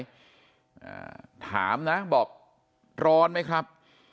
อ่าถามนะบอกร้อนไหมครับ